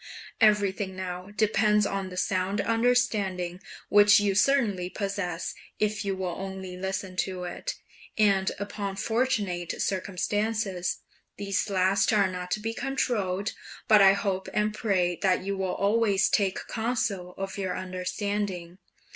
Everything now depends on the sound understanding which you certainly possess if you will only listen to it, and upon fortunate circumstances; these last are not to be controlled, but I hope and pray that you will always take counsel of your understanding.